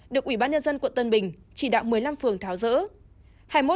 được ủy ban nhân dân quận tân bình chỉ đạo một mươi năm phường tháo rỡ